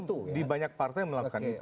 tentu di banyak partai melakukan itu